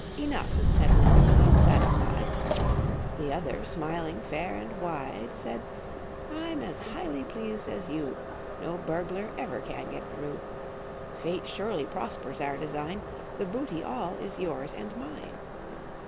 "Enough," said one: "I'm satisfied." The other, smiling fair and wide, Said: "I'm as highly pleased as you: No burglar ever can get through. Fate surely prospers our design The booty all is yours and mine."